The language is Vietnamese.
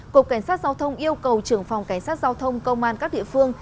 cục cảnh sát giao thông yêu cầu trưởng phòng cảnh sát giao thông công an các địa phương